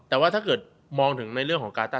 แต่ว่าถ้าเกิดมองถึงในเรื่องของกาต้า